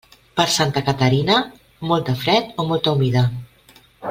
Per Santa Caterina, molt de fred o molta humida.